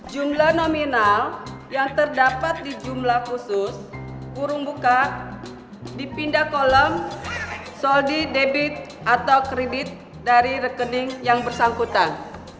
jumlah nominal yang terdapat di jumlah khusus burung buka dipindah kolom soldi debit atau kredit dari rekening yang bersangkutan